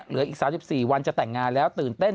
เหลืออีก๓๔วันจะแต่งงานแล้วตื่นเต้น